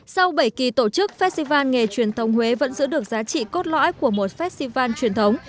sau bảy kỳ tổ chức festival nghề truyền thống huế vẫn giữ được giá trị cốt lõi của một festival truyền thống